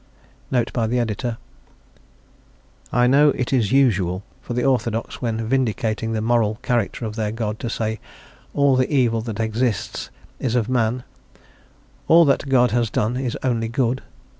"I know it is usual for the orthodox when vindicating the moral character of their God to say: 'All the Evil that exists is of man; All that God has done is only good.'